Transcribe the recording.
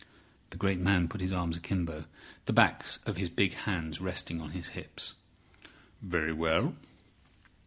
The great man put his arms akimbo, the backs of his big hands resting on his hips. "Very well.